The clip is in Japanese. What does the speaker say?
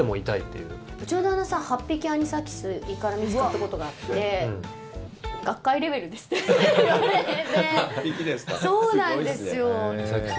うちの旦那さん８匹、アニサキス胃から見つかったことがあって学会レベルですって言われて。